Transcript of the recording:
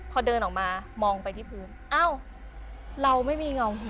พอเดินออกมามองไปที่พื้นอ้าวเราไม่มีเงา